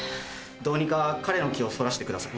どうにか彼の気をそらしてください。